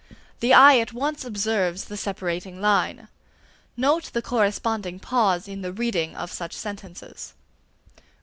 The eye at once observes the separating line. Note the corresponding pause in the reading of such sentences.